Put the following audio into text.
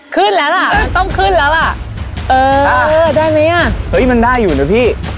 ขึ้นแล้วล่ะมันต้องขึ้นแล้วล่ะเออเออได้ไหมอ่ะเฮ้ยมันได้อยู่นะพี่